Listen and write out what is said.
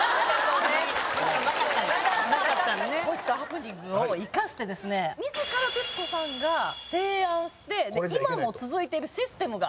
こういったハプニングを生かして自ら徹子さんが提案して今も続いてるシステムが。